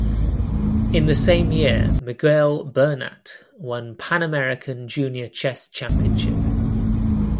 In the same year Miguel Bernat won Pan American Junior Chess Championship.